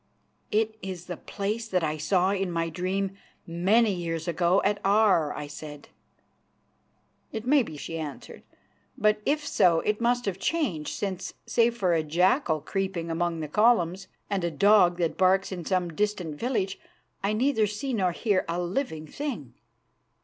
"It is the place that I saw in my dream many years ago at Aar," I said. "It may be," she answered, "but if so it must have changed, since, save for a jackal creeping among the columns and a dog that barks in some distant village, I neither see nor hear a living thing.